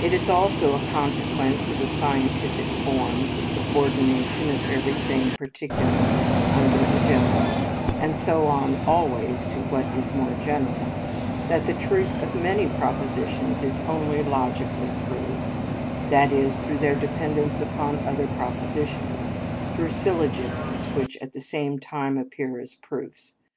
It is also a consequence of the scientific form, the subordination of everything particular under a general, and so on always to what is more general, that the truth of many propositions is only logically proved,—that is, through their dependence upon other propositions, through syllogisms, which at the same time appear as proofs.